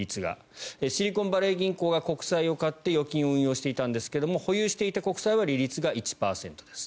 シリコンバレー銀行が国債を買って預金を運用していたんですが保有していた国債は利率が１％です。